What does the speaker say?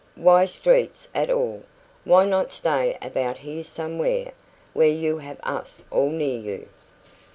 "Why streets at all? Why not stay about here somewhere, where you have us all near you?"